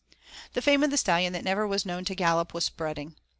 The fame of the Stallion that never was known to gallop was spreading.